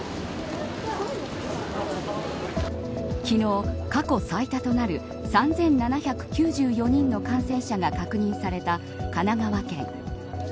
昨日、過去最多となる３７９４人の感染者が確認された神奈川県。